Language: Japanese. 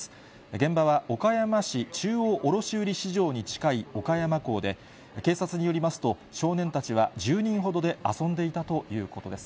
現場は岡山市中央卸売市場に近い、岡山港で、警察によりますと、少年たちは１０人ほどで遊んでいたということです。